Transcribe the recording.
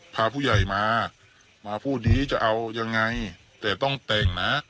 พาผู้ใหญ่มามาพูดนี้จะเอายังไงแต่ต้องแต่งนะ